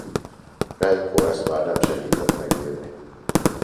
Reiko ezt már nem segített megírni.